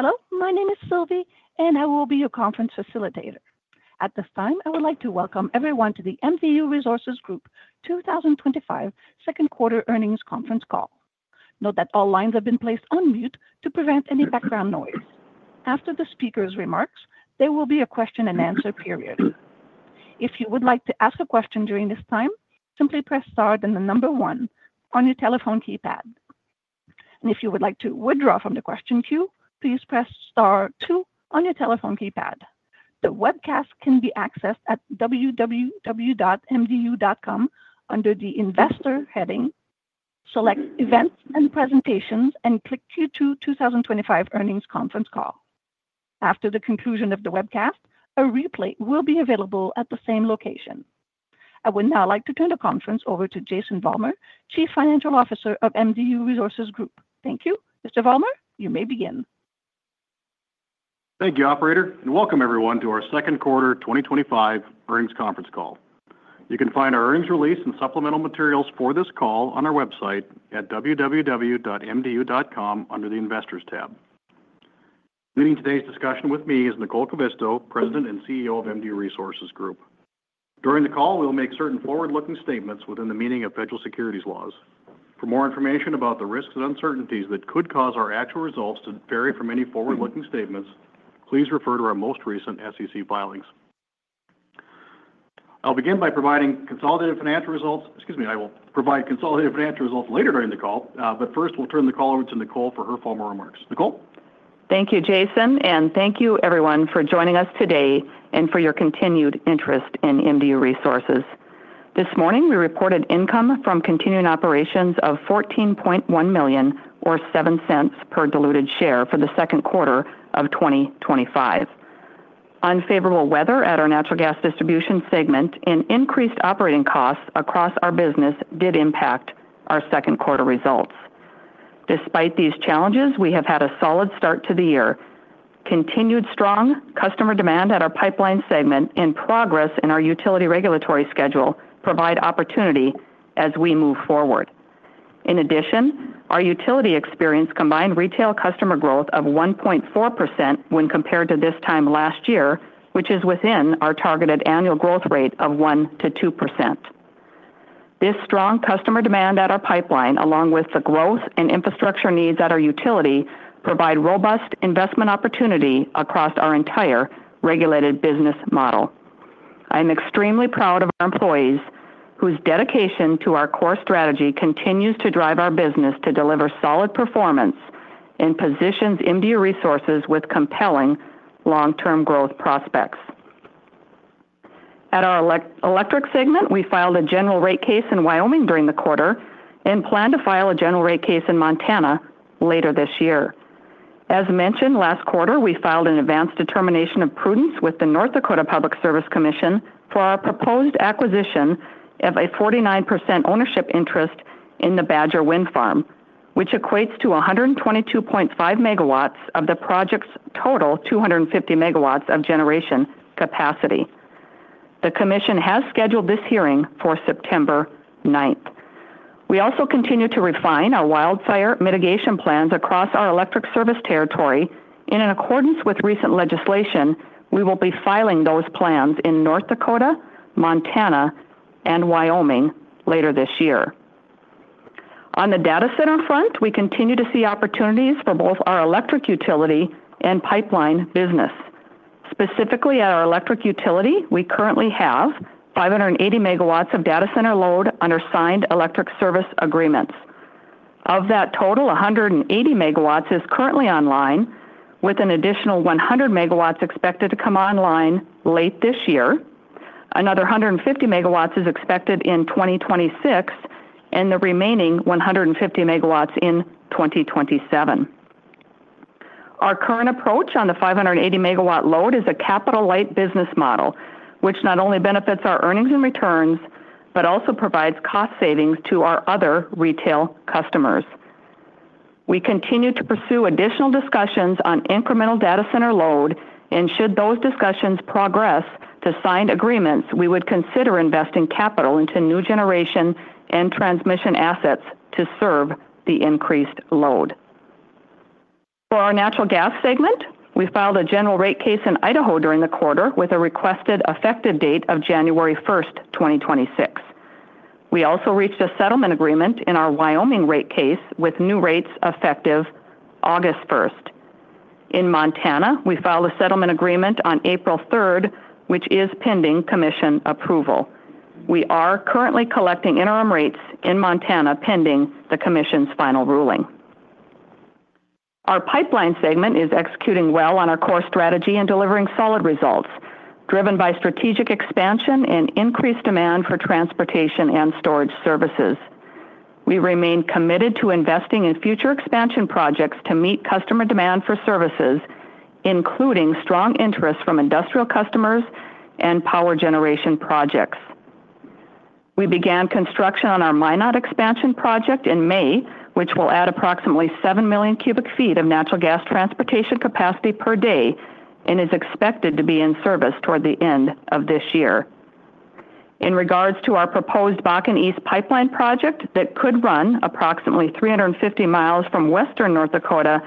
Hello, my name is Sylvie, and I will be your conference facilitator. At this time, I would like to welcome everyone to the MDU Resources Group 2025 Second Quarter Earnings Conference Call. Note that all lines have been placed on mute to prevent any background noise. After the speaker's remarks, there will be a question-and-answer period. If you would like to ask a question during this time, simply press Star then the number one on your telephone keypad. If you would like to withdraw from the question queue, please press Star, two on your telephone keypad. The webcast can be accessed at www.mdu.com under the investor heading. Select Events and Presentations and click Q2 2025 Earnings Conference Call. After the conclusion of the webcast, a replay will be available at the same location. I would now like to turn the conference over to Jason Vollmer, Chief Financial Officer of MDU Resources Group. Thank you, Mr. Vollmer. You may begin. Thank you, operator, and welcome everyone to our second quarter 2025 earnings conference call. You can find our earnings release and supplemental materials for this call on our website at www.mdu.com under the Investors tab. Leading today's discussion with me is Nicole Kivisto, President and CEO of MDU Resources Group. During the call, we'll make certain forward-looking statements within the meaning of federal securities laws. For more information about the risks and uncertainties that could cause our actual results to vary from any forward-looking statements, please refer to our most recent SEC filings. I'll begin by providing consolidated financial results. I will provide consolidated financial results later during the call, but first we'll turn the call over to Nicole for her formal remarks. Nicole. Thank you, Jason, and thank you everyone for joining us today and for your continued interest in MDU Resources. This morning, we reported income from continuing operations of $14.1 million or $0.07 per diluted share for the second quarter of 2025. Unfavorable weather at our natural gas distribution segment and increased operating costs across our business did impact our second quarter results. Despite these challenges, we have had a solid start to the year. Continued strong customer demand at our pipeline segment and progress in our utility regulatory schedule provide opportunity as we move forward. In addition, our utility experience combined retail customer growth of 1.4% when compared to this time last year, which is within our targeted annual growth rate of 1%-2%. This strong customer demand at our pipeline, along with the growth and infrastructure needs at our utility, provide robust investment opportunity across our entire regulated business model. I'm extremely proud of our employees whose dedication to our core strategy continues to drive our business to deliver solid performance and positions MDU Resources with compelling long-term growth prospects. At our electric segment, we filed a general rate case in Wyoming during the quarter and plan to file a general rate case in Montana later this year. As mentioned last quarter, we filed an advanced determination of prudence with the North Dakota Public Service Commission for our proposed acquisition of a 49% ownership interest in the Badger Wind Farm, which equates to 122.5 MW of the project's total 250 MW of generation capacity. The commission has scheduled this hearing for September 9th. We also continue to refine our wildfire mitigation plans across our electric service territory. In accordance with recent legislation, we will be filing those plans in North Dakota, Montana, and Wyoming later this year. On the data center front, we continue to see opportunities for both our electric utility and pipeline business. Specifically, at our electric utility, we currently have 580 MW of data center load under signed electric service agreements. Of that total, 180 MW is currently online, with an additional 100 MW expected to come online late this year. Another 150 MW is expected in 2026, and the remaining 150 MW in 2027. Our current approach on the 580 MW load is a capital-light business model, which not only benefits our earnings and returns, but also provides cost savings to our other retail customers. We continue to pursue additional discussions on incremental data center load, and should those discussions progress to signed agreements, we would consider investing capital into new generation and transmission assets to serve the increased load. For our natural gas segment, we filed a general rate case in Idaho during the quarter with a requested effective date of January 1st, 2026. We also reached a settlement agreement in our Wyoming rate case with new rates effective August 1. In Montana, we filed a settlement agreement on April 3rd, which is pending commission approval. We are currently collecting interim rates in Montana pending the commission's final ruling. Our pipeline segment is executing well on our core strategy and delivering solid results, driven by strategic expansion and increased demand for transportation and storage services. We remain committed to investing in future expansion projects to meet customer demand for services, including strong interests from industrial customers and power generation projects. We began construction on our Minot expansion project in May, which will add approximately 7 million cu ft of natural gas transportation capacity per day and is expected to be in service toward the end of this year. In regards to our proposed Bakken East pipeline project that could run approximately 350 mi from western North Dakota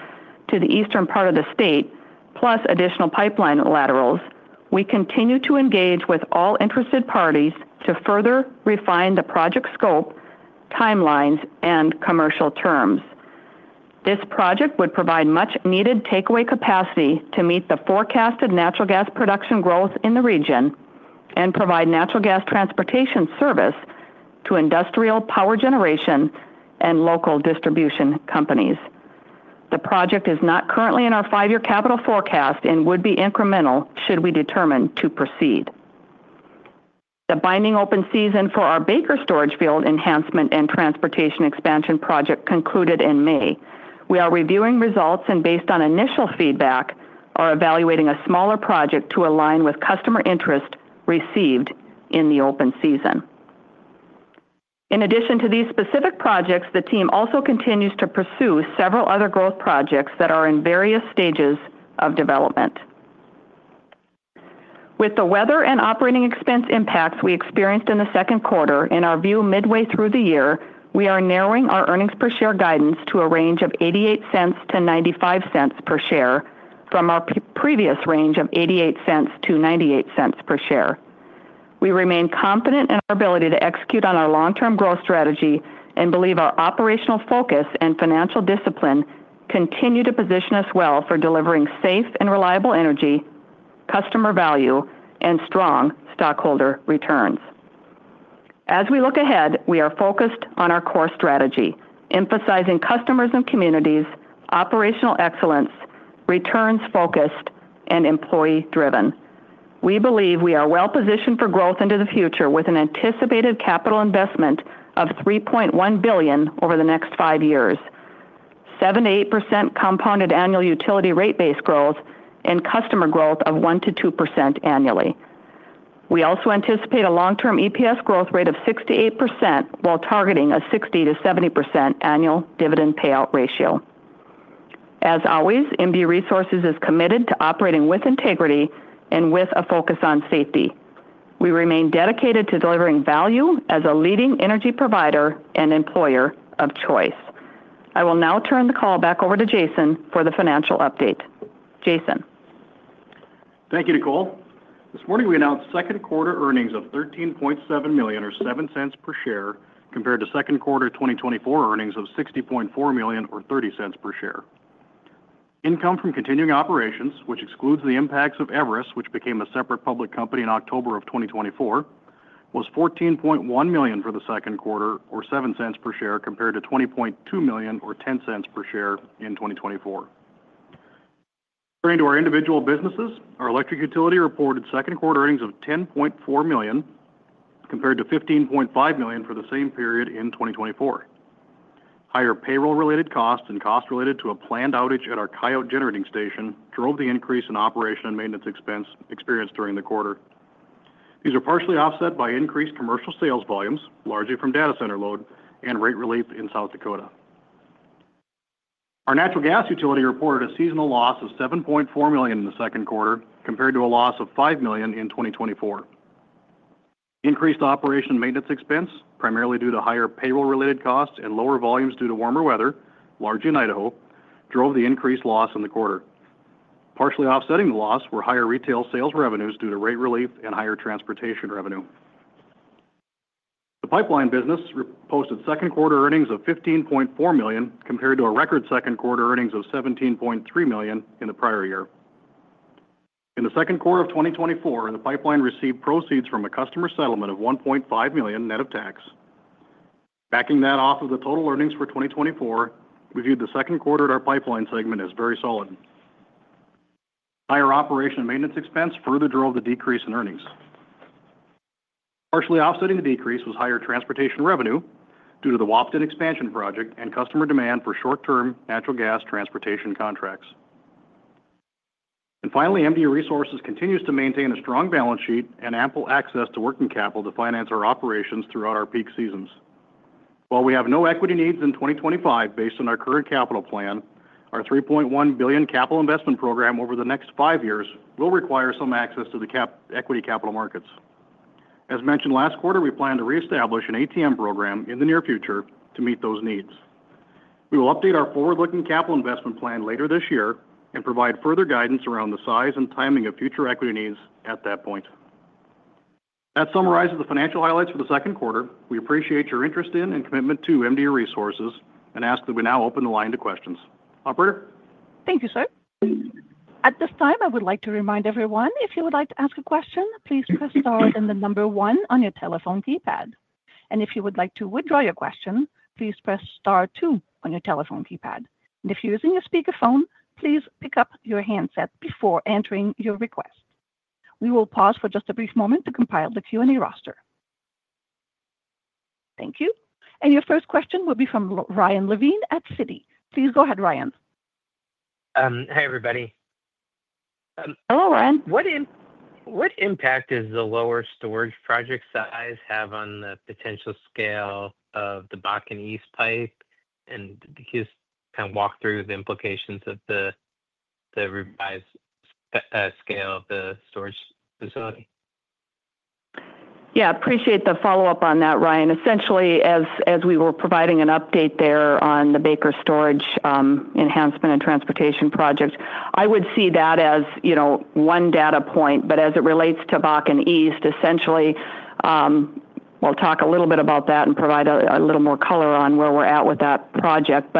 to the eastern part of the state, plus additional pipeline laterals, we continue to engage with all interested parties to further refine the project scope, timelines, and commercial terms. This project would provide much-needed takeaway capacity to meet the forecasted natural gas production growth in the region and provide natural gas transportation service to industrial power generation and local distribution companies. The project is not currently in our five-year capital forecast and would be incremental should we determine to proceed. The binding open season for our Baker Storage Field Enhancement and Transportation Expansion project concluded in May. We are reviewing results and, based on initial feedback, are evaluating a smaller project to align with customer interest received in the open season. In addition to these specific projects, the team also continues to pursue several other growth projects that are in various stages of development. With the weather and operating expense impacts we experienced in the second quarter, in our view midway through the year, we are narrowing our earnings per share guidance to a range of $0.88-$0.95 per share from our previous range of $0.88-$0.98 per share. We remain confident in our ability to execute on our long-term growth strategy and believe our operational focus and financial discipline continue to position us well for delivering safe and reliable energy, customer value, and strong stockholder returns. As we look ahead, we are focused on our core strategy, emphasizing customers and communities, operational excellence, returns focused, and employee-driven. We believe we are well positioned for growth into the future with an anticipated capital investment of $3.1 billion over the next five years, 7%-8% compounded annual utility rate base growth, and customer growth of 1%-2% annually. We also anticipate a long-term EPS growth rate of 6%-8% while targeting a 60%-70% annual dividend payout ratio. As always, MDU Resources is committed to operating with integrity and with a focus on safety. We remain dedicated to delivering value as a leading energy provider and employer of choice. I will now turn the call back over to Jason for the financial update. Jason. Thank you, Nicole. This morning, we announced second quarter earnings of $13.7 million or $0.07 per share compared to second quarter 2024 earnings of $60.4 million or $0.30 per share. Income from continuing operations, which excludes the impacts of Everus, which became a separate public company in October of 2024, was $14.1 million for the second quarter or $0.07 per share compared to $20.2 million or $0.10 per share in 2024. Turning to our individual businesses, our electric utility reported second quarter earnings of $10.4 million compared to $15.5 million for the same period in 2024. Higher payroll-related costs and costs related to a planned outage at our Coyote generating station drove the increase in operation and maintenance expense experienced during the quarter. These are partially offset by increased commercial sales volumes, largely from data center load and rate relief in South Dakota. Our natural gas utility reported a seasonal loss of $7.4 million in the second quarter compared to a loss of $5 million in 2024. Increased operation and maintenance expense, primarily due to higher payroll-related costs and lower volumes due to warmer weather, largely in Idaho, drove the increased loss in the quarter. Partially offsetting the loss were higher retail sales revenues due to rate relief and higher transportation revenue. The pipeline business posted second quarter earnings of $15.4 million compared to a record second quarter earnings of $17.3 million in the prior year. In the second quarter of 2024, the pipeline received proceeds from a customer settlement of $1.5 million net of tax. Backing that off of the total earnings for 2024, we viewed the second quarter at our pipeline segment as very solid. Higher operation and maintenance expense further drove the decrease in earnings. Partially offsetting the decrease was higher transportation revenue due to the Wahpton expansion project and customer demand for short-term natural gas transportation contracts. Finally, MDU Resources continues to maintain a strong balance sheet and ample access to working capital to finance our operations throughout our peak seasons. While we have no equity needs in 2025 based on our current capital plan, our $3.1 billion capital investment program over the next five years will require some access to the equity capital markets. As mentioned last quarter, we plan to reestablish an ATM equity program in the near future to meet those needs. We will update our forward-looking capital investment plan later this year and provide further guidance around the size and timing of future equity needs at that point. That summarizes the financial highlights for the second quarter. We appreciate your interest in and commitment to MDU and ask that we now open the line to questions. Operator? Thank you, sir. At this time, I would like to remind everyone, if you would like to ask a question, please press Star then the number one on your telephone keypad. If you would like to withdraw your question, please press Star, two on your telephone keypad. If you're using a speakerphone, please pick up your handset before entering your request. We will pause for just a brief moment to compile the Q&A roster. Thank you. Your first question will be from Ryan Levine at Citi. Please go ahead, Ryan. Hey, everybody. Hello, Ryan. What impact does the lower storage project size have on the potential scale of the Bakken East pipeline? Could you just kind of walk through the implications of the revised scale of the storage facility? Yeah, I appreciate the follow-up on that, Ryan. Essentially, as we were providing an update there on the Baker Storage Field Enhancement and Transportation project, I would see that as, you know, one data point. As it relates to Bakken East, essentially, we'll talk a little bit about that and provide a little more color on where we're at with that project.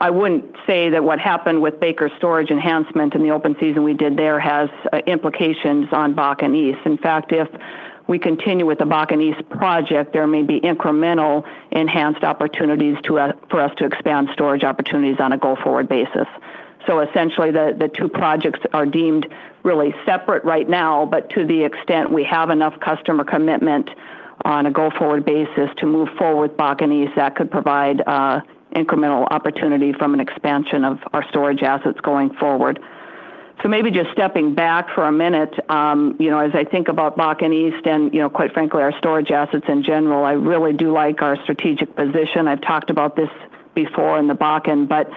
I wouldn't say that what happened with Baker Storage Field Enhancement and the open season we did there has implications on Bakken East. In fact, if we continue with the Bakken East pipeline project, there may be incremental enhanced opportunities for us to expand storage opportunities on a go-forward basis. The two projects are deemed really separate right now, but to the extent we have enough customer commitment on a go-forward basis to move forward with Bakken East, that could provide incremental opportunity from an expansion of our storage assets going forward. Maybe just stepping back for a minute, as I think about Bakken East and, quite frankly, our storage assets in general, I really do like our strategic position. I've talked about this before in the Bakken, but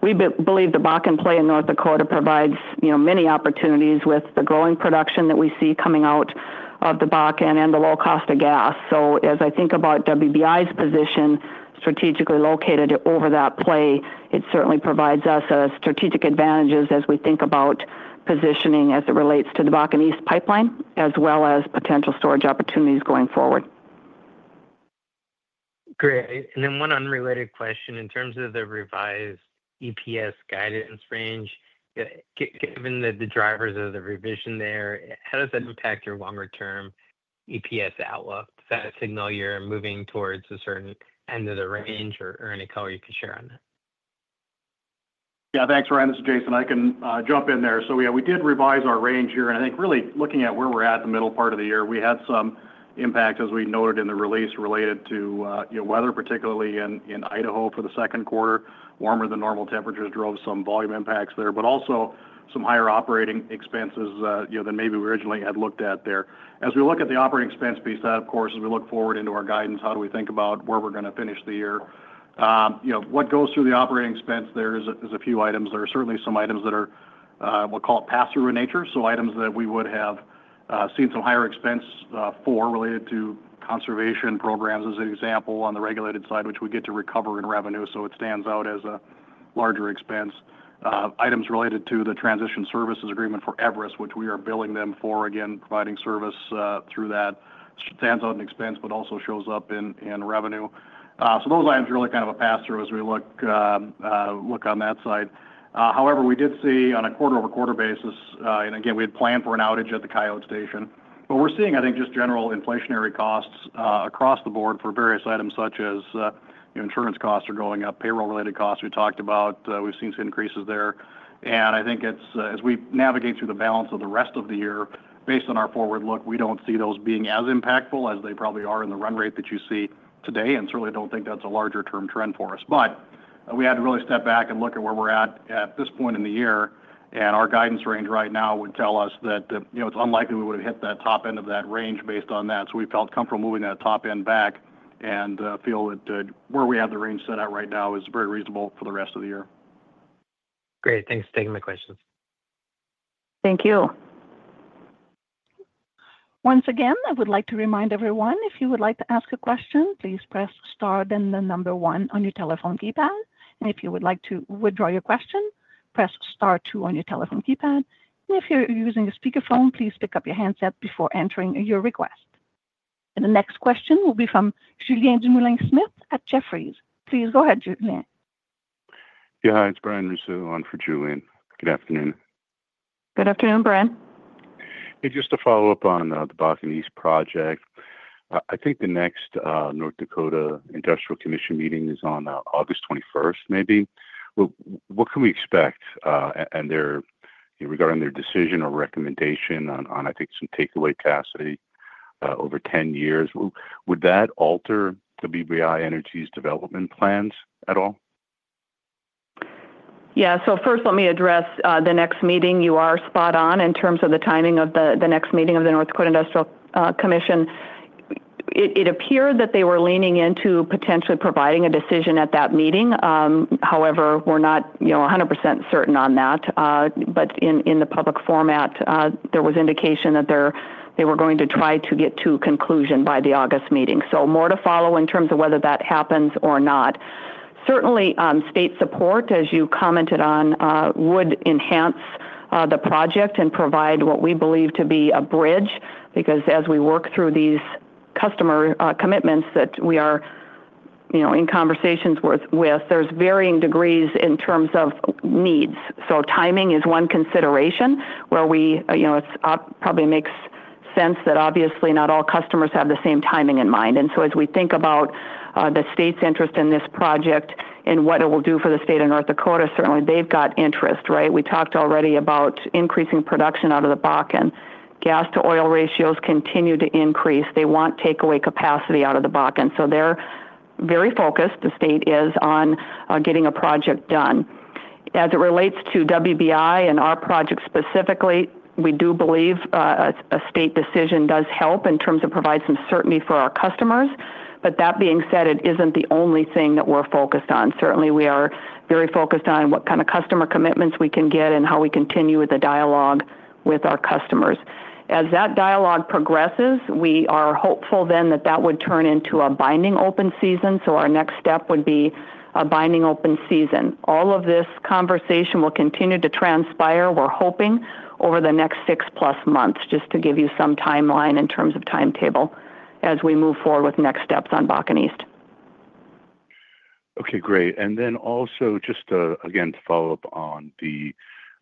we believe the Bakken play in North Dakota provides many opportunities with the growing production that we see coming out of the Bakken and the low cost of gas. As I think about WBI's position strategically located over that play, it certainly provides us strategic advantages as we think about positioning as it relates to the Bakken East pipeline, as well as potential storage opportunities going forward. Great. One unrelated question in terms of the revised EPS guidance range, given the drivers of the revision there, how does that impact your longer-term EPS outlook? Does that signal you're moving towards a certain end of the range, or any color you could share on that? Yeah, thanks, Ryan. This is Jason. I can jump in there. We did revise our range here, and I think really looking at where we're at in the middle part of the year, we had some impact, as we noted in the release, related to weather, particularly in Idaho for the second quarter. Warmer than normal temperatures drove some volume impacts there, but also some higher operating expenses than maybe we originally had looked at there. As we look at the operating expense piece of that, of course, as we look forward into our guidance, how do we think about where we're going to finish the year? What goes through the operating expense there is a few items. There are certainly some items that are, we'll call it pass-through in nature, so items that we would have seen some higher expense for related to conservation programs as an example on the regulated side, which we get to recover in revenue, so it stands out as a larger expense. Items related to the transition services agreement for Everus which we are billing them for, again, providing service through that stands out in expense, but also shows up in revenue. Those items are really kind of a pass-through as we look on that side. However, we did see on a quarter-over-quarter basis, and we had planned for an outage at the Cayote station. We're seeing, I think, just general inflationary costs across the board for various items such as, you know, insurance costs are going up, payroll-related costs we talked about, we've seen some increases there. I think as we navigate through the balance of the rest of the year, based on our forward look, we don't see those being as impactful as they probably are in the run rate that you see today, and certainly don't think that's a larger-term trend for us. We had to really step back and look at where we're at at this point in the year, and our guidance range right now would tell us that it's unlikely we would have hit that top end of that range based on that. We felt comfortable moving that top end back and feel that where we have the range set out right now is very reasonable for the rest of the year. Great. Thanks for taking my questions. Thank you. Once again, I would like to remind everyone, if you would like to ask a question, please press Star then the number one on your telephone keypad. If you would like to withdraw your question, press Star, two on your telephone keypad. If you're using a speakerphone, please pick up your handset before entering your request. The next question will be from Julien Dumoulin-Smith at Jefferies.. Please go ahead, Julien. Yeah, it's Brian Russo on for Julien. Good afternoon. Good afternoon, Brian. Hey, just to follow up on the Bakken East project, I think the next North Dakota Industrial Commission meeting is on August 21st, maybe. What can we expect? They're, you know, regarding their decision or recommendation on, I think, some takeaway capacity over 10 years, would that alter WBI Energy's development plans at all? Yeah, so first, let me address the next meeting. You are spot on in terms of the timing of the next meeting of the North Dakota Industrial Commission. It appeared that they were leaning into potentially providing a decision at that meeting. However, we're not 100% certain on that. In the public format, there was indication that they were going to try to get to a conclusion by the August meeting. More to follow in terms of whether that happens or not. Certainly, state support, as you commented on, would enhance the project and provide what we believe to be a bridge because as we work through these customer commitments that we are in conversations with, there's varying degrees in terms of needs. Timing is one consideration where it probably makes sense that obviously not all customers have the same timing in mind. As we think about the state's interest in this project and what it will do for the state of North Dakota, certainly they've got interest, right? We talked already about increasing production out of the Bakken. Gas-to-oil ratios continue to increase. They want takeaway capacity out of the Bakken. They're very focused, the state is, on getting a project done. As it relates to WBI and our project specifically, we do believe a state decision does help in terms of providing some certainty for our customers. That being said, it isn't the only thing that we're focused on. We are very focused on what kind of customer commitments we can get and how we continue with the dialogue with our customers. As that dialogue progresses, we are hopeful then that that would turn into a binding open season. Our next step would be a binding open season. All of this conversation will continue to transpire, we're hoping, over the next six plus months, just to give you some timeline in terms of timetable as we move forward with next steps on Bakken East. Okay, great. Also, just again to follow up on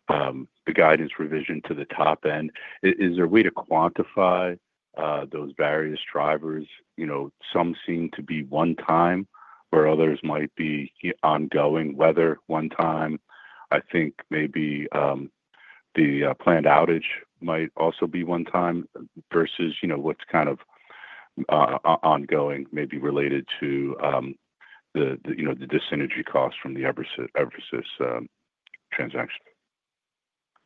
the guidance revision to the top end, is there a way to quantify those various drivers? Some seem to be one-time where others might be ongoing, whether one-time. I think maybe the planned outage might also be one-time versus what's kind of ongoing may be related to the, you know, the disinterested costs from the Everus transaction.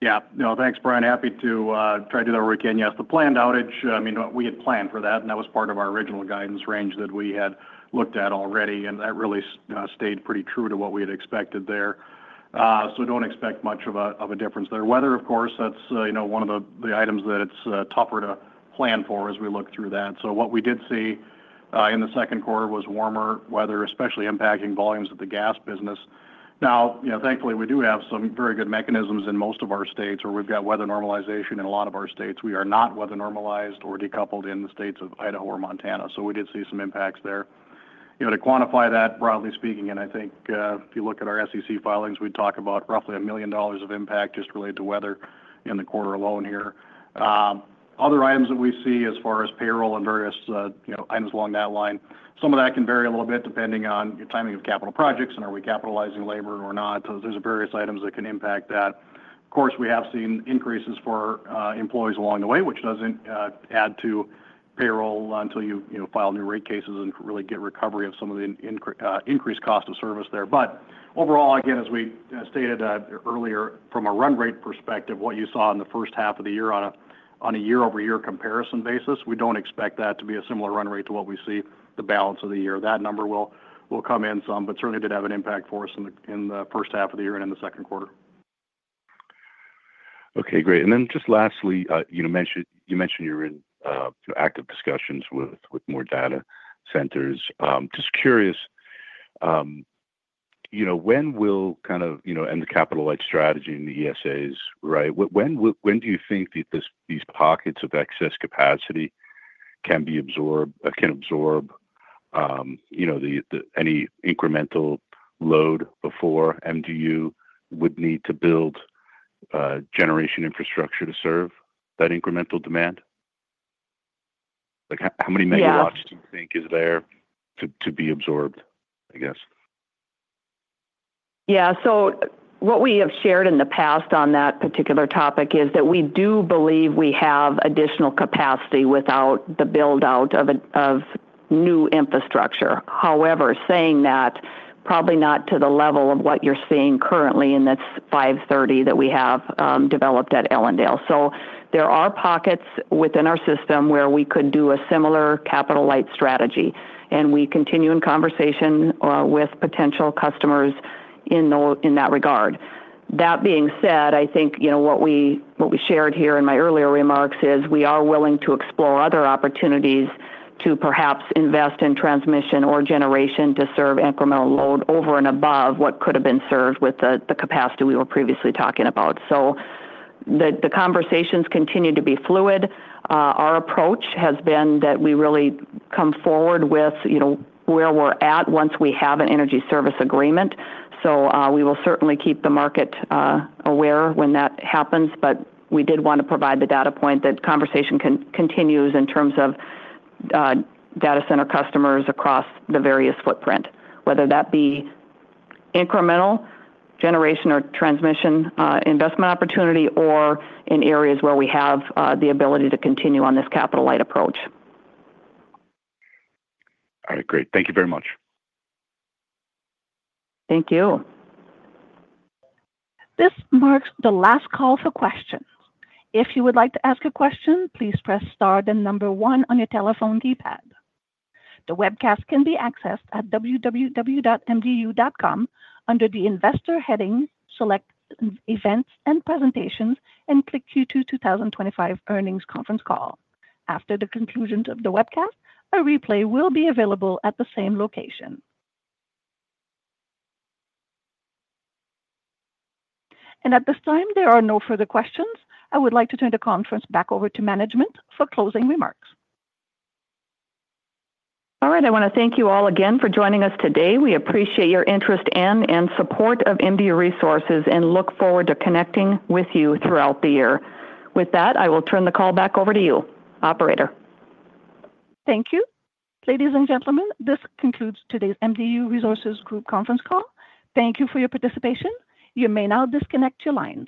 Yeah, no, thanks, Brian. Happy to try to do that where we can. Yes, the planned outage, I mean, we had planned for that, and that was part of our original guidance range that we had looked at already, and that really stayed pretty true to what we had expected there. Do not expect much of a difference there. Weather, of course, that's one of the items that it's tougher to plan for as we look through that. What we did see in the second quarter was warmer weather, especially impacting volumes of the gas business. Now, thankfully, we do have some very good mechanisms in most of our states where we've got weather normalization in a lot of our states. We are not weather normalized or decoupled in the states of Idaho or Montana. We did see some impacts there. To quantify that, broadly speaking, and I think if you look at our SEC filings, we'd talk about roughly $1 million of impact just related to weather in the quarter alone here. Other items that we see as far as payroll and various items along that line, some of that can vary a little bit depending on the timing of capital projects and are we capitalizing labor or not. Those are various items that can impact that. Of course, we have seen increases for employees along the way, which doesn't add to payroll until you file new rate cases and really get recovery of some of the increased cost of service there. Overall, again, as we stated earlier, from a run rate perspective, what you saw in the first half of the year on a year-over-year comparison basis, we don't expect that to be a similar run rate to what we see the balance of the year. That number will come in some, but certainly did have an impact for us in the first half of the year and in the second quarter. Okay, great. Lastly, you mentioned you're in active discussions with more data centers. Just curious, when will the capital-light strategy and the electric service agreements, right, when do you think that these pockets of excess capacity can be absorbed, can absorb any incremental load before MDU would need to build generation infrastructure to serve that incremental demand? How many megawatts do you think is there to be absorbed, I guess? Yeah, what we have shared in the past on that particular topic is that we do believe we have additional capacity without the build-out of new infrastructure. However, probably not to the level of what you're seeing currently in this 530 that we have developed at Ellendale. There are pockets within our system where we could do a similar capital-light strategy, and we continue in conversation with potential customers in that regard. That being said, what we shared here in my earlier remarks is we are willing to explore other opportunities to perhaps invest in transmission or generation to serve incremental load over and above what could have been served with the capacity we were previously talking about. The conversations continue to be fluid. Our approach has been that we really come forward with where we're at once we have an electric service agreement. We will certainly keep the market aware when that happens, but we did want to provide the data point that conversation continues in terms of data center customers across the various footprint, whether that be incremental generation or transmission investment opportunity or in areas where we have the ability to continue on this capital-light approach. All right, great. Thank you very much. Thank you. This marks the last call for questions. If you would like to ask a question, please press Star then number one on your telephone keypad. The webcast can be accessed at www.mdu.com under the investor heading, select events and presentations, and click Q2 2025 earnings conference call. After the conclusion of the webcast, a replay will be available at the same location. At this time, there are no further questions. I would like to turn the conference back over to management for closing remarks. All right, I want to thank you all again for joining us today. We appreciate your interest and support of MDU Resources and look forward to connecting with you throughout the year. With that, I will turn the call back over to you, Operator. Thank you. Ladies and gentlemen, this concludes today's MDU Resources Group conference call. Thank you for your participation. You may now disconnect your lines.